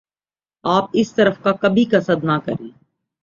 آپ اس طرف کا کبھی قصد نہ کریں ۔